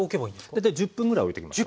大体１０分ぐらいおいときますよ。